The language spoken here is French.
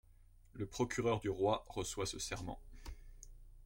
Le procureur du roi reçoit ce serment.